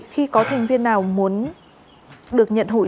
khi có thành viên nào muốn được nhận hụi